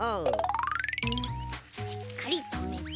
しっかりとめて。